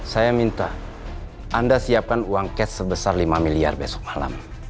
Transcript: saya minta anda siapkan uang cash sebesar lima miliar besok malam